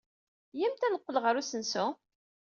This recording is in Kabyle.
Iyyamt ad neqqel ɣer usensu.